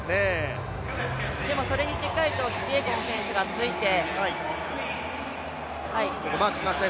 でも、それにしっかりキピエゴン選手がついていますね。